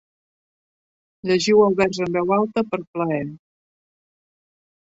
Llegiu el vers en veu alta per plaer.